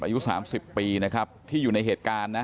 อายุ๓๐ปีนะครับที่อยู่ในเหตุการณ์นะ